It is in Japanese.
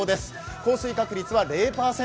降水確率は０％。